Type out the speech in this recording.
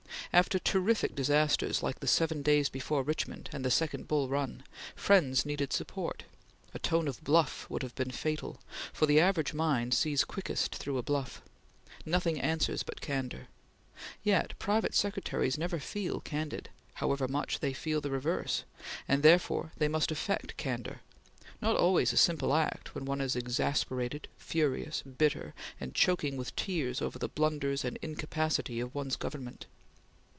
After terrific disasters like the seven days before Richmond and the second Bull Run, friends needed support; a tone of bluff would have been fatal, for the average mind sees quickest through a bluff; nothing answers but candor; yet private secretaries never feel candid, however much they feel the reverse, and therefore they must affect candor; not always a simple act when one is exasperated, furious, bitter, and choking with tears over the blunders and incapacity of one's Government.